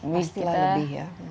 pasti lah lebih ya